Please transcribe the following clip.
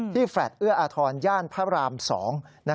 ที่แฟล็ดเอื้ออาทรย่านพระรามสอง